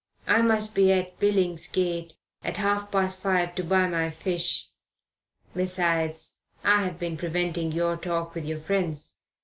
I must be at Billingsgate at half past five to buy my fish. Besides, I have been preventing your talk with our friends.